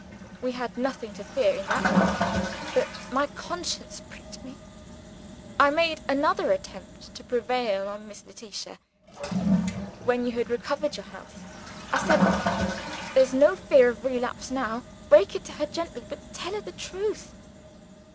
We had nothing to fear in that way; but my conscience pricked me. I made another attempt to prevail on Miss Letitia, when you had recovered your health. I said, 'There's no fear of a relapse now; break it to her gently, but tell her the truth.